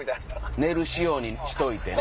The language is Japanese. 寝る仕様にしといてね。